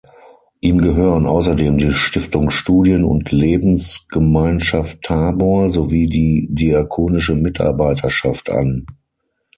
Ihm gehören außerdem die "Stiftung Studien- und Lebensgemeinschaft Tabor" sowie die "Diakonische Mitarbeiterschaft" an.